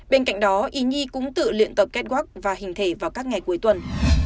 bên cạnh đó ý nhi cũng tự luyện tập kết quắc và hình thể vào các ngày cuối tuần